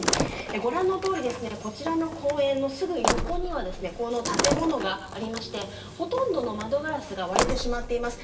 ご覧のとおりこちらの公園のすぐ横には建物がありましてほとんどの窓ガラスが割れてしまっています。